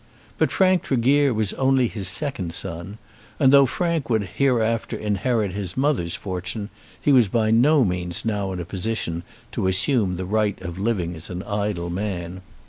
But Frank Tregear was only his second son; and though Frank would hereafter inherit his mother's fortune, he was by no means now in a position to assume the right of living as an idle man.